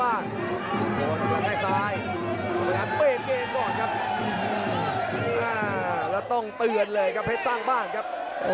อ่าแล้วต้องเตือนเลยครับเพชรสร้างบ้านครับ